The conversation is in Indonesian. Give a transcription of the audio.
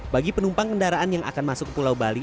bagi penumpang kendaraan yang akan masuk ke pulau bali